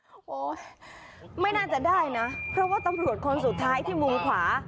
โอ้โหไม่น่าจะได้นะเพราะว่าตำรวจคนสุดท้ายที่มุมขวา